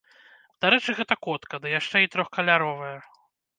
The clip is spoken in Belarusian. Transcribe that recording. Дарэчы, гэта котка, ды яшчэ і трохкаляровая.